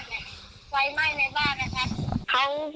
เขาสะดวกกุญแจเข้ามาและทีนี้หนูกำลังแต่งชุดนักเรียนจะไปโรงเรียน